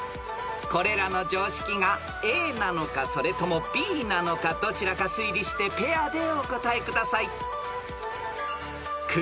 ［これらの常識がＡなのかそれともＢなのかどちらか推理してペアでお答えください］